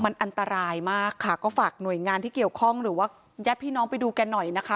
มันอันตรายมากค่ะก็ฝากหน่วยงานที่เกี่ยวข้องหรือว่าญาติพี่น้องไปดูแกหน่อยนะคะ